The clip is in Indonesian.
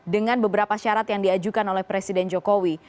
dengan beberapa syarat yang diajukan oleh presiden jokowi